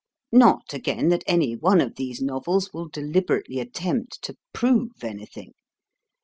Not, again, that any one of these novels will deliberately attempt to PROVE anything.